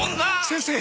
先生！